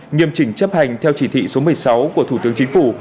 nghiêm chỉnh chấp hành theo chỉ thị số một mươi sáu của thủ tướng chính phủ